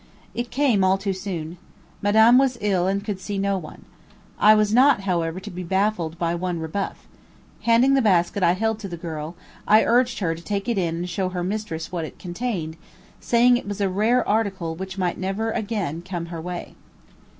It came all too soon; Madame was ill and could see no one. I was not, however, to be baffled by one rebuff. Handing the basket I held to the girl, I urged her to take it in and show her mistress what it contained, saying it was a rare article which might never again come her way.